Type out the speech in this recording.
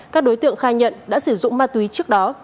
các đối tượng khai nhận đã sử dụng ma túy trước đó